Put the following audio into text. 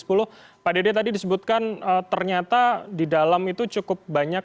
pak dede tadi disebutkan ternyata di dalam itu cukup banyak